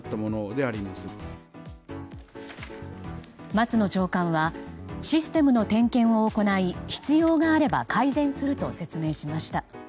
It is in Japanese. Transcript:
松野長官はシステムの点検を行い必要があれば改善すると説明しました。